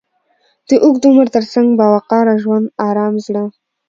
د اوږد عمر تر څنګ، با وقاره ژوند، ارام زړه،